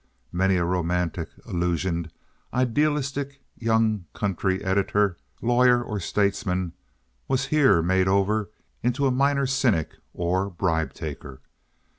Many a romantic, illusioned, idealistic young country editor, lawyer, or statesman was here made over into a minor cynic or bribe taker.